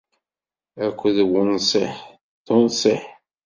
Akked wunṣiḥ, d unṣiḥ.